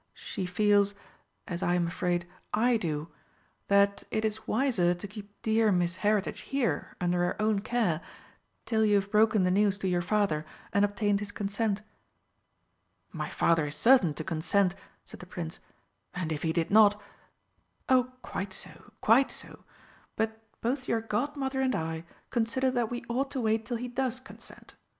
She feels as I am afraid I do that it is wiser to keep dear Miss Heritage here under her own care till you have broken the news to your Father and obtained his consent." "My Father is certain to consent," said the Prince, "and if he did not " "Oh, quite so quite so but both your Godmother and I consider that we ought to wait till he does consent.